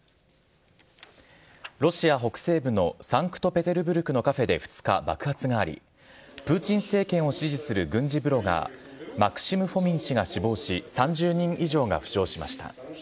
ロシア北西部のサンクトペテルブルクのカフェで２日、爆発があり、プーチン政権を支持する軍事ブロガー、マクシム・フォミン氏が死亡し、３０人以上が負傷しました。